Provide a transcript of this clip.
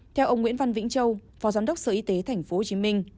theo ông nguyễn văn vĩnh châu phó giám đốc sở y tế tp hcm